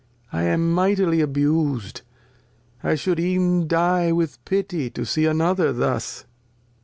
I am mightily abus'd, I shou'd even die with Pity To see another thus.